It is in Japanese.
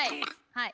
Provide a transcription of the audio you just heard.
はい！